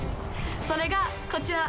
それが、こちら！